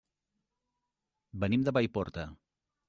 Venim de Paiporta.